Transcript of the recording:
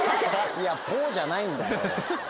いやポッじゃないんだよ。